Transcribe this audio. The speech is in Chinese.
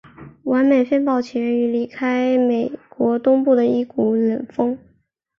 完美风暴起源于离开美国东岸的一股冷锋。